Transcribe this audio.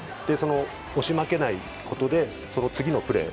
押し負けないことでその次のプレー。